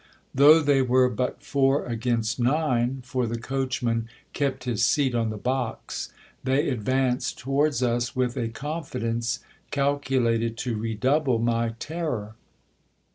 Though they were but four against nine, for the coachman kept his seat on the box, they advanced towards us with a confidence calculated to redouble my terror.